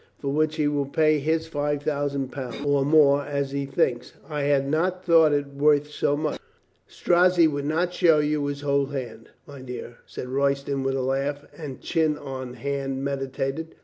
For which he will pay his five thousand pound, or more, as I think. I had not thought it worth so much." "Strozzi would not show you his whole hand, my dear," said Royston with a laugh, and chin on hand meditated.